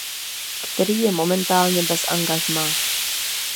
Který je momentálně bez angažmá.